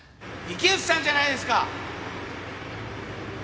池内さんじゃないですか！